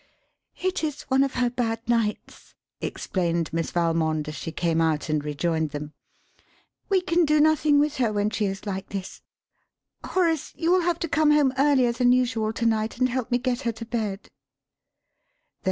"It is one of her bad nights," explained Miss Valmond, as she came out and rejoined them. "We can do nothing with her when she is like this. Horace, you will have to come home earlier than usual to night and help me to get her to bed."